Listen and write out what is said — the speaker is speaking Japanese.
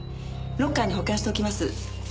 ロッカーに保管しておきます。